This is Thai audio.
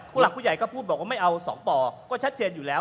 ผู้หลักผู้ใหญ่ก็พูดมาว่าไม่เอาสองบ่่อก็ชัดเฉียนอยู่แล้ว